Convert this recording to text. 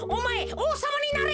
おうさまになれ。